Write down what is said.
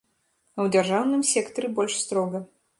А ў дзяржаўным сектары больш строга.